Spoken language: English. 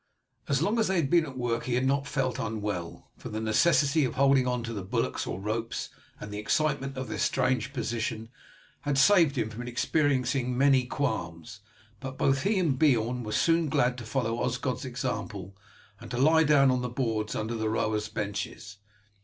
As long as they had been at work he had not felt unwell, for the necessity of holding on to the bulwarks or ropes, and the excitement of their strange position, had saved him from experiencing many qualms; but both he and Beorn were soon glad to follow Osgod's example, and to lie down on the boards under the rowers' benches.